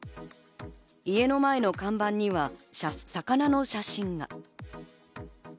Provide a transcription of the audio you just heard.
家の前の看板には、魚の写真が。